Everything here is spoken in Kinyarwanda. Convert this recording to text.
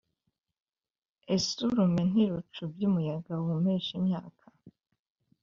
Ese urume ntirucubya umuyaga wumisha imyaka?